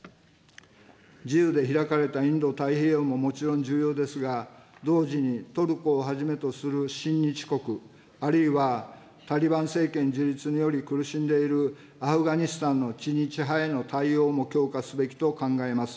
自由で開かれたインド太平洋ももちろん重要ですが、同時にトルコをはじめとする親日国、あるいはタリバン政権樹立により苦しんでいるアフガニスタンの知日派への対応も強化すべきと考えます。